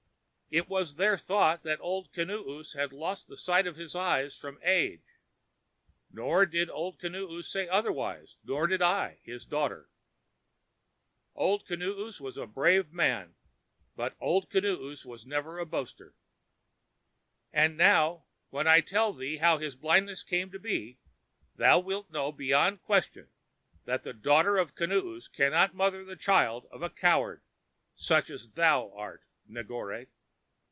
It was their thought that Old Kinoos had lost the sight of his eyes from age; nor did Old Kinoos say otherwise, nor did I, his daughter. Old Kinoos is a brave man, but Old Kinoos was never a boaster. And now, when I tell thee of how his blindness came to be, thou wilt know, beyond question, that the daughter of Kinoos cannot mother the children of a coward such as thou art, Negore."